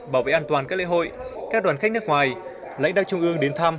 bảo vệ an toàn các lễ hội các đoàn khách nước ngoài lãnh đạo trung ương đến thăm